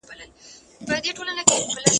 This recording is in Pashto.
کار چي بې استا سي، بې معنا سي.